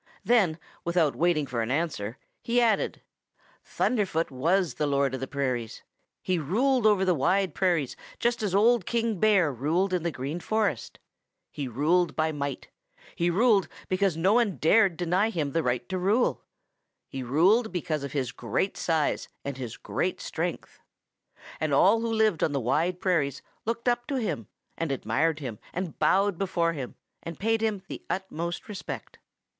Then without waiting for an answer he added: "Thunderfoot was the Lord of the Prairies. He ruled over the Wide Prairies just as Old King Bear ruled in the Green Forest. He ruled by might. He ruled because no one dared deny him the right to rule. He ruled because of his great size and his great strength. And all who lived on the Wide Prairies looked up to him and admired him and bowed before him and paid him the utmost respect.